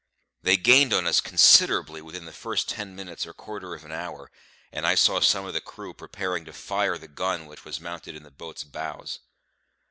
They gained on us considerably within the first ten minutes or quarter of an hour; and I saw some of the crew preparing to fire the gun which was mounted in the boat's bows.